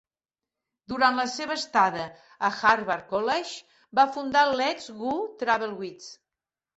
Durant la seva estada a Harvard College, va fundar Let's Go Travel Guides.